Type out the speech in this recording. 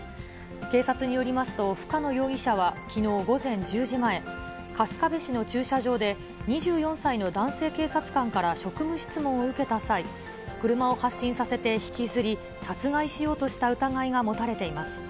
警察によりますと、深野容疑者はきのう午前１０時前、春日部市の駐車場で２４歳の男性警察官から職務質問を受けた際、車を発進させて引きずり、殺害しようとした疑いが持たれています。